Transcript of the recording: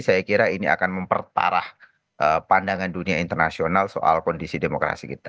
saya kira ini akan memperparah pandangan dunia internasional soal kondisi demokrasi kita